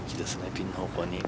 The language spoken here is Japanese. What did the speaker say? ピン方向に。